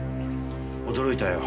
驚いたよ。